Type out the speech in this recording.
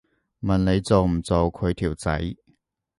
問你做唔做佢條仔